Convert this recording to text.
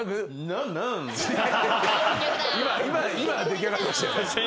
今出来上がってましたよね。